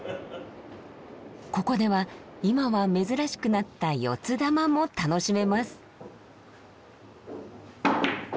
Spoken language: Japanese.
ここでは今は珍しくなった「四つ玉」も楽しめます。